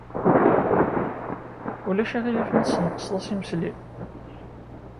Ulac aɣilif ma tesneqsed-as imesli?